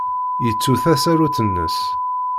Yettu tasarut-nnes.